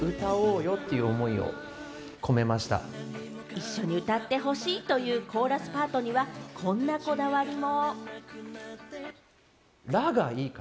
一緒に歌ってほしいというコーラスパートには、こんなこだわりも。